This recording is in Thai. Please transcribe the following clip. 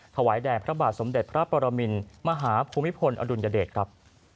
ถวายแด่พระบาทสมเด็จพระปรมินมหาภูมิพลอดุลยเดชครับ